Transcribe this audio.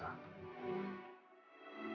mama kangen sama kamu